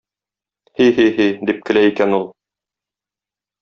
Һи-һи-һи! - дип көлә икән ул.